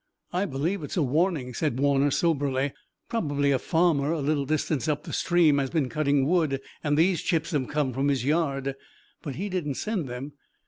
"I believe it's a warning," said Warner soberly. "Probably a farmer a little distance up the stream has been cutting wood, and these chips have come from his yard, but he didn't send them.